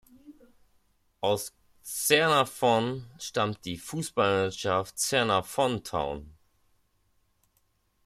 Aus Caernarfon stammt die Fußballmannschaft Caernarfon Town.